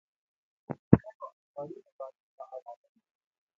د ګڼو اخباري مضامينو نه علاوه